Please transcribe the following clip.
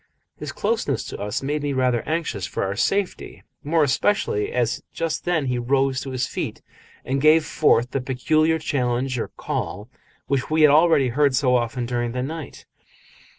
His closeness to us made me rather anxious for our safety, more especially as just then he rose to his feet and gave forth the peculiar challenge or call which we had already heard so often during the night.